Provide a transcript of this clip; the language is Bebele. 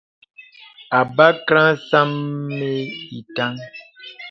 Àbakraŋ sə̀m mə ìtəŋ.